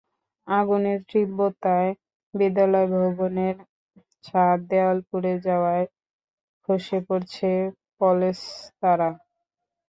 আগুনের তীব্রতায় বিদ্যালয় ভবনের ছাদ, দেয়াল পুড়ে যাওয়ায় খসে পড়ছে পলেস্তারা।